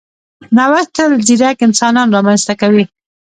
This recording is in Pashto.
نوښت تل ځیرک انسانان رامنځته کوي.